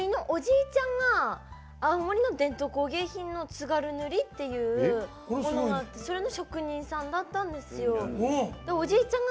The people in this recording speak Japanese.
私のおじいちゃんが青森の伝統工芸品の津軽塗っていうのがあってそれの職人さんだったんですよ。